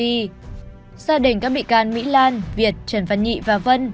gia đình các bị can mỹ lan việt trần văn nhị và vân